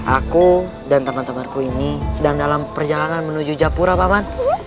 aku dan teman temanku ini sedang dalam perjalanan menuju japura paman